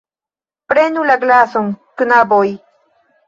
Prenu la glason, knaboj!